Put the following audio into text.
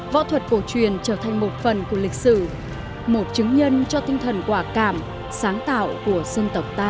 võ thuật cổ truyền trở thành một phần của lịch sử một chứng nhân cho tinh thần quả cảm sáng tạo của dân tộc ta